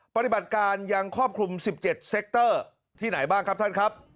ปฏิบัติการยังครอบคลุม๑๗เซ็กเตอร์ที่ไหนบ้างครับท่านครับ